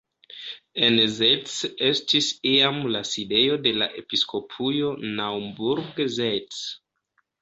En Zeitz estis iam la sidejo de la Episkopujo Naumburg-Zeitz.